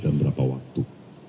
dalam beberapa waktu